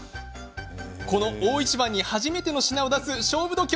この大一番に初めての品を出す勝負度胸。